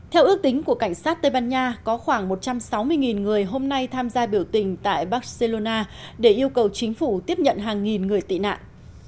theo ước tính của cảnh sát tây ban nha có khoảng một trăm sáu mươi người hôm nay tham gia biểu tình tại barcelona để yêu cầu chính phủ tiếp nhận hàng nghìn người tị nạn